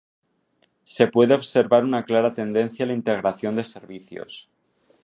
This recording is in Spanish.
Se puede observar una clara tendencia a la integración de servicios.